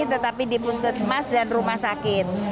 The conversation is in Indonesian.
tetapi di puskesmas dan rumah sakit